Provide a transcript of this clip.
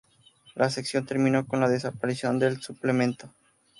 La sección terminó con la desaparición del suplemento.